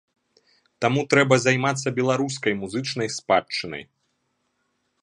Таму трэба займацца беларускай музычнай спадчынай.